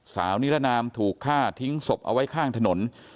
นิรนามถูกฆ่าทิ้งศพเอาไว้ข้างถนน